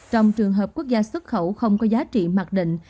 trong trường hợp quốc gia xuất khẩu không có giá trị mặc định